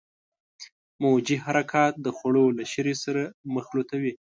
موجي حرکات د خوړو له شیرې سره مخلوطوي.